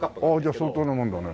じゃあ相当なもんだね。